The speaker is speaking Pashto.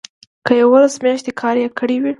که یوولس میاشتې کار یې کړی وي.